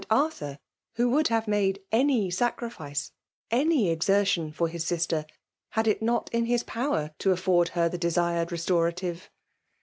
Arthur, ^vho vould have nade anjs sotti^ fice, any exertion, for his siitet» hfwl il not in his power, to afford her the de^i^dd reatoratiTe.